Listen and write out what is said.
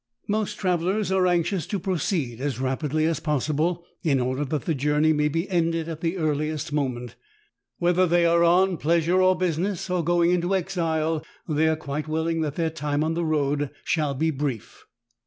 Most trav elers are anxious to proceed as rapidly as possible, in order that the journey may be ended at the earliest moment. Whether they are on pleasure or business, or going into exile, they are quite willing that their time on the road shall be brief.